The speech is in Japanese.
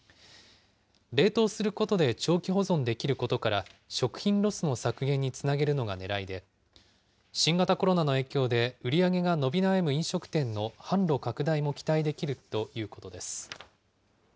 冷凍することで長期保存できることから、食品ロスの削減につなげるのがねらいで、新型コロナの影響で売り上げが伸び悩む飲食店の販路拡大も期待できるということです。